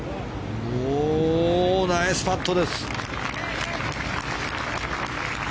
ナイスパットです。